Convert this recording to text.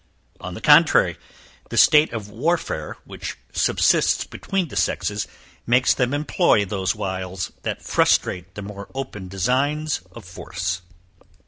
On the contrary, the state of warfare which subsists between the sexes, makes them employ those wiles, that frustrate the more open designs of force.